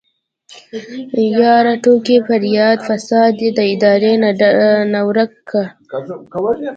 يره ټوکې پرېده فساد دې د ادارې نه ورک که.